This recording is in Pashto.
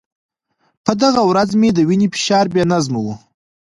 په دغه ورځ مې د وینې فشار بې نظمه و.